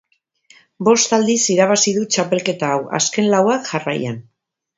Bost aldiz irabazi du txapelketa hau, azken lauak jarraian.